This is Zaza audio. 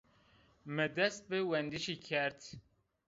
Mi dest bi wendişî kerd